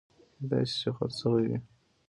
کېدای شي چې خرڅ شوي وي